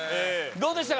どうでしたか？